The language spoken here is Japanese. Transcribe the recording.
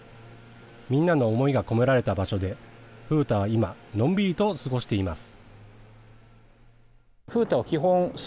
みんなの思いが込められた場所で、風太は今、のんびりと過ごしています。